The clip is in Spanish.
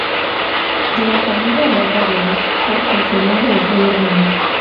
De familia de labradores, fue el segundo de seis hermanos.